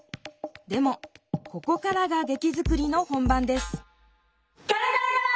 でもここからが劇作りの本番ですガラガラガラー！